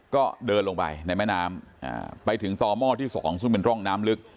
ก็เดินลงไปในแม่น้ำไปถึงต่อหม้อที่๒ซึ่งเป็นร่องน้ำลึก